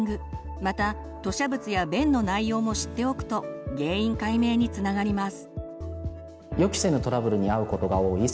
また吐しゃ物や便の内容も知っておくと原因解明につながります。